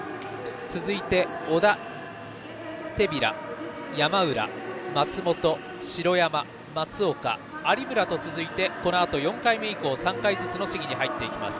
続いて小田、手平、山浦松本、城山、松岡、有村と続いてこのあと４回目以降３回ずつの試技に入ります。